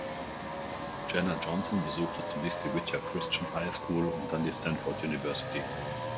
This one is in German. Jenna Johnson besuchte zunächst die Whittier Christian High School und dann die Stanford University.